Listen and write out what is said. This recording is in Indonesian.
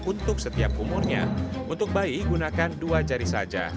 untuk bayi gunakan dua jari saja